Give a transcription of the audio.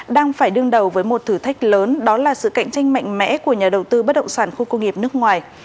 đang phải đương đầu với một thử thách lớn đó là sự cạnh tranh mạnh mẽ của nhà đầu tư bất động sản khu công nghiệp nước ngoài